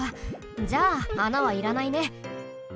じゃあ穴はいらないね。